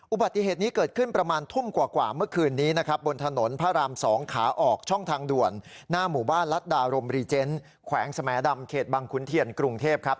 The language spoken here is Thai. อุบัติเหตุนี้เกิดขึ้นประมาณทุ่มกว่าเมื่อคืนนี้นะครับบนถนนพระราม๒ขาออกช่องทางด่วนหน้าหมู่บ้านรัฐดารมรีเจนต์แขวงสมดำเขตบังขุนเทียนกรุงเทพครับ